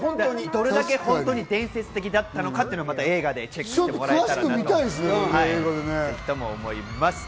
どれだけ伝説的だったのかというのは映画でチェックしてもらえればと思います。